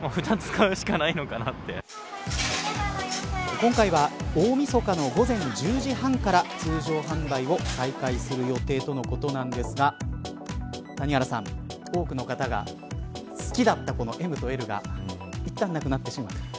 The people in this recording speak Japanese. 今回は大みそかの午前１０時半から通常販売を再開する予定とのことですが谷原さん、多くの方が好きだったＭとＬがいったんなくなってしまう。